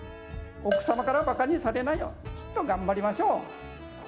奥様からばかにされないようちっと頑張りましょう。